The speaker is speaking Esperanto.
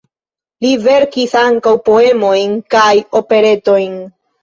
Li verkis ankaŭ poemojn kaj operetojn.